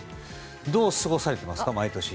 どう過ごされてますか、毎年。